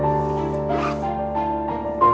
mungkin gue bisa dapat petunjuk lagi disini